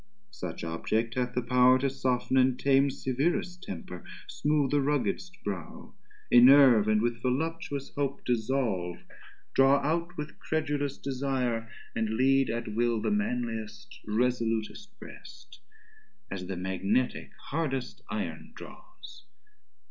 Such object hath the power to soft'n and tame Severest temper, smooth the rugged'st brow, Enerve, and with voluptuous hope dissolve, Draw out with credulous desire, and lead At will the manliest, resolutest brest, As the Magnetic hardest Iron draws.